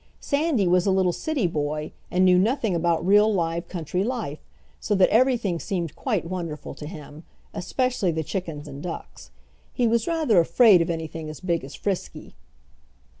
Sandy was a little city boy and knew nothing about real live country life, so that everything seemed quite wonderful to him, especially the chickens and ducks. He was rather afraid of anything as big as Frisky.